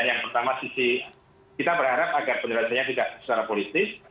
yang pertama sisi kita berharap agar penyelesaiannya tidak secara politis